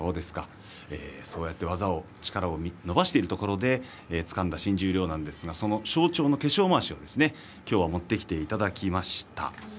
そうやって技と力を伸ばしているところでつかんだ新十両なんですが象徴の化粧まわしを今日は持ってきていただきました。